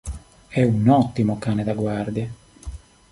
È un ottimo cane da guardia.